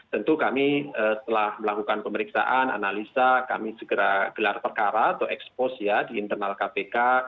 tentu kami telah melakukan pemeriksaan analisa kami segera gelar perkara atau expose ya di internal kpk